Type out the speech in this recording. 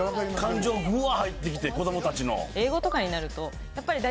感情ぐわ入ってきて子供たちの。